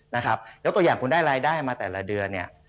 นะครับยกตัวอย่างคุณได้รายได้มาแต่ละเดือนเนี่ย